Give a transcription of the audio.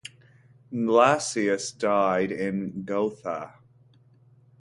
Glassius died in Gotha.